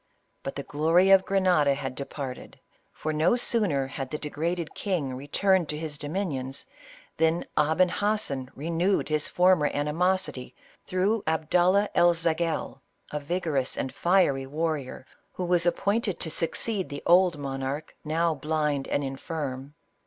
But the glory of Grenada had departed, for, no sooner had the degraded king returned to his dominions, than Aben Hassen renewed his former animosity through Abdallah El Zagel, a vigorous and fiery warrior, who was appointed to succeed the old monarch now blind and infirm.